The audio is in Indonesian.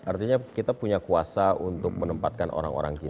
artinya kita punya kuasa untuk menempatkan orang orang kita